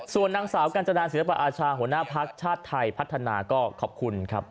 ส่วนนางสาวกัญจนาศิลปอาชาหัวหน้าภักดิ์ชาติไทยพัฒนาก็ขอบคุณครับ